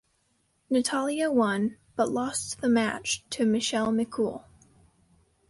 Natalya won, but lost the match to Michelle McCool.